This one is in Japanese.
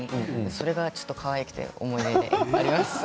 それが、ちょっとかわいくて思い出にあります。